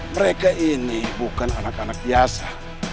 mereka ini bukan anak anak biasa